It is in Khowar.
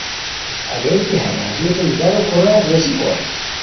ہوݰ اریر کی ہیہ لہازیوتین گرم خوراکہ ویزی کوئے